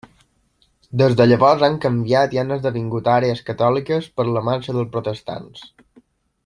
Des de llavors han canviat i han esdevingut àrees catòliques per la marxa dels protestants.